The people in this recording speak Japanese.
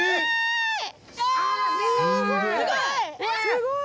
すごい！